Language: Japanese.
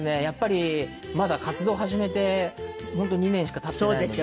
やっぱりまだ活動を始めて本当２年しか経ってないので。